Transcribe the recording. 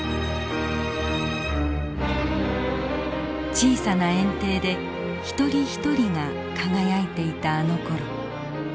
小さな園庭で一人一人が輝いていたあのころ。